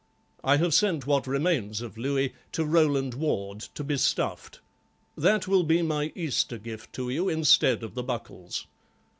I have sent what remains of Louis to Rowland Ward to be stuffed; that will be my Easter gift to you instead of the buckles.